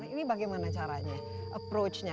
ini bagaimana caranya approach nya